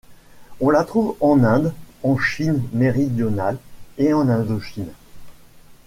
On la trouve en Inde, en Chine méridionale et en Indochine.